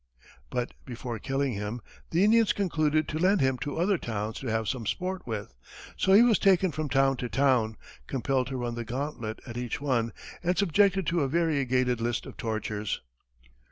But before killing him, the Indians concluded to lend him to other towns to have some sport with, so he was taken from town to town, compelled to run the gauntlet at each one, and subjected to a variegated list of tortures.